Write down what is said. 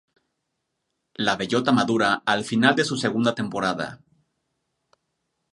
La bellota madura al final de su segunda temporada.